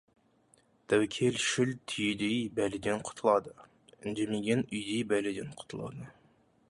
Тәуекелшіл түйедей бәледен құтылады, үндемеген үйдей бәледен құтылады.